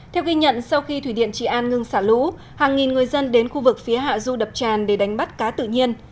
theo ghi nhận sau khi thủy điện trị an ngưng xả lũ hàng nghìn người dân đến khu vực phía hạ du đập tràn để đánh bắt cá tự nhiên